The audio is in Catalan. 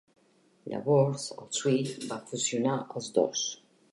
Llavors, el Sui va fusionar els dos.